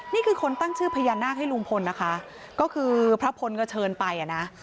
นี่คือคนตั้งชื่อพญานาคให้ลุงพลนะคะก็คือพระพลก็เชิญไปอ่ะนะ